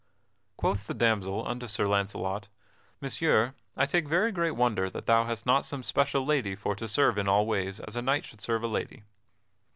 Quoth the damsel unto Sir Launcelot: "Messire, I take very great wonder that thou hast not some special lady for to serve in all ways as a knight should serve a lady."